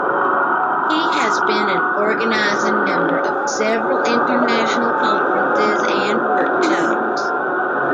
He has been an organizing member of several international conferences and workshops.